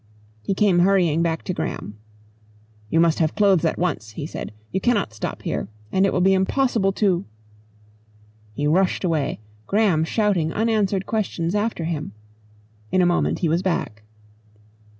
He came hurrying back to Graham. "You must have clothes at once," he said. "You cannot stop here and it will be impossible to " He rushed away, Graham shouting unanswered questions after him. In a moment he was back.